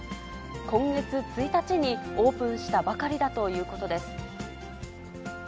今月１日にオープンしたばかりだということです。